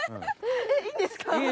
えっいいんですか？